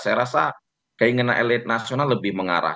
saya rasa keinginan elit nasional lebih mengarah